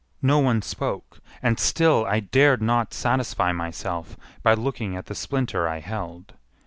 No one spoke, and still I dared not satisfy myself by looking at the splinter I held.